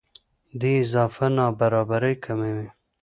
دې اضافه نابرابرۍ کموي.